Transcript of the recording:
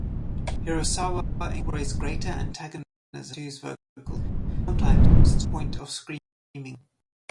Hirasawa incorporates greater antagonism into his vocals, sometimes to the point of screaming them.